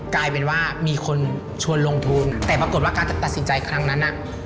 กลายเป็นว่ามีคนชวนลงทุนแต่ปรากฏว่าการตัดสินใจครั้งนั้นน่ะ